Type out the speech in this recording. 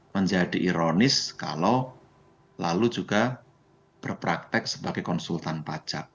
menjadi ironis kalau lalu juga berpraktek sebagai konsultan pajak